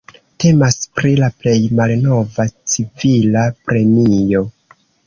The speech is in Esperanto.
Temas pri la plej malnova civila premio.